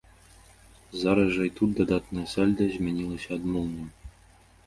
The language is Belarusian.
Зараз жа і тут дадатнае сальда змянілася адмоўным.